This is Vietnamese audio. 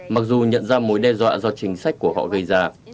mặc dù nhận ra mối đe dọa do chính sách của họ gây ra